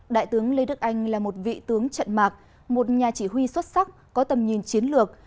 đại tướng lê đức anh là một vị tướng trận mạc một nhà chỉ huy xuất sắc có tầm nhìn chiến lược